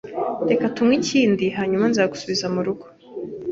Reka tunywe ikindi, hanyuma nzagusubiza murugo.